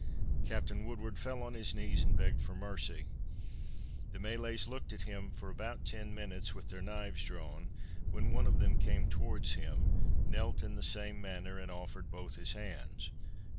Captain Woodward fell on his knees and begged for mercy. The Malays looked at him for about ten minutes with their knives drawn, when one of them came towards him, knelt in the same manner and offered both his hands.